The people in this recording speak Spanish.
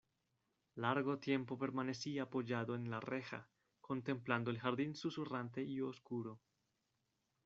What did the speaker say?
largo tiempo permanecí apoyado en la reja, contemplando el jardín susurrante y oscuro.